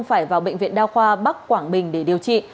phải vào bệnh viện đa khoa bắc quảng bình để điều trị